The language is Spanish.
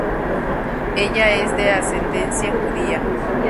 Ella es de ascendencia judía.